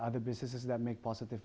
dan bisnis lain yang membuat dampak positif